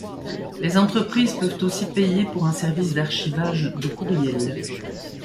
Les entreprises peuvent aussi payer pour un service d'archivage de courriels.